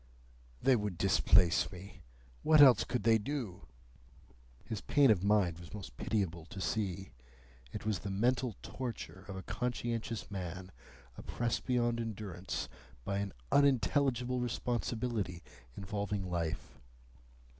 They would displace me. What else could they do?" His pain of mind was most pitiable to see. It was the mental torture of a conscientious man, oppressed beyond endurance by an unintelligible responsibility involving life.